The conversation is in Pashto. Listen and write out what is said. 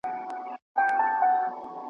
په مایکروفون کي یې ویلی دی .